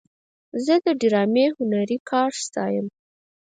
زه د ډرامې هنري کار ستایم.